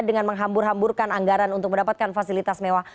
dengan menghambur hamburkan anggaran untuk mendapatkan fasilitas mewah